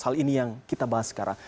hal ini yang kita bahas sekarang